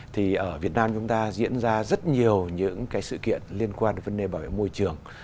thì ở việt nam chúng ta diễn ra rất nhiều những cái sự kiện liên quan đến vấn đề bảo vệ môi trường